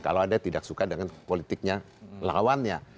kalau ada yang tidak suka dengan politiknya lawannya